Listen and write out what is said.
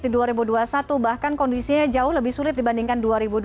di dua ribu dua puluh satu bahkan kondisinya jauh lebih sulit dibandingkan dua ribu dua puluh